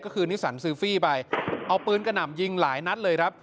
ก็คือนิสันซิลฟี่ไปเอาปืนกระหน่ำยิงหลายนัดเลยครับ